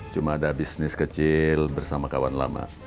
cuma ada bisnis kecil bersama kawan lama